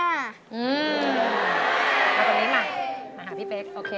เอาตรงนี้มามาหาพี่เป๊กโอเค